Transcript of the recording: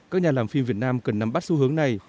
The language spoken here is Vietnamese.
các nhà làm phim việt nam cần nắm bắt xu hướng này